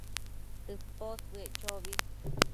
tëposbëec chobi